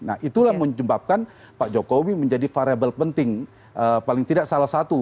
nah itulah menyebabkan pak jokowi menjadi variable penting paling tidak salah satu